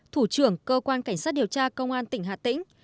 thủ trưởng cơ quan cảnh sát điều tra công an tỉnh hà tĩnh